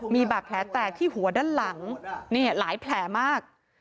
มีบาดแผลแตกที่หัวด้านหลังนี่หลายแผลมาก